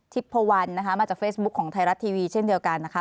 พวันนะคะมาจากเฟซบุ๊คของไทยรัฐทีวีเช่นเดียวกันนะคะ